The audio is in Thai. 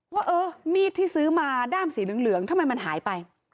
ว่าเออมีดที่ซื้อมาด้ามสีเหลืองทำไมมันหายไป